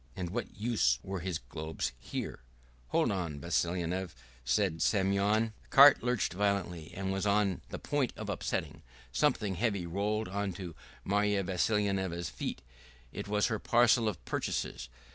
And what use were his globes here? "Hold on, Vassilyevna!" said Semyon. The cart lurched violently and was on the point of upsetting; something heavy rolled on to Marya Vassilyevna's feet it was her parcel of purchases.